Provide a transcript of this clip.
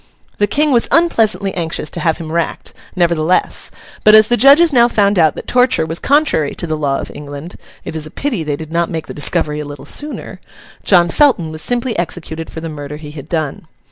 The King was unpleasantly anxious to have him racked, nevertheless; but as the judges now found out that torture was contrary to the law of England—it is a pity they did not make the discovery a little sooner—John Felton was simply executed for the murder he had done.